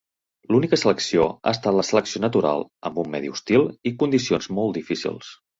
L'única selecció ha estat la selecció natural amb un medi hostil i condicions molt difícils.